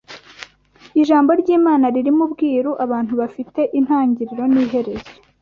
Ijambo ry’Imana ririmo ubwiru abantu bafite itangiriro n’iherezo